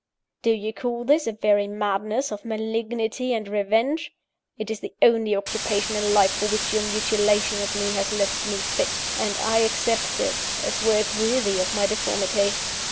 "Do you call this a very madness of malignity and revenge? It is the only occupation in life for which your mutilation of me has left me fit; and I accept it, as work worthy of my deformity.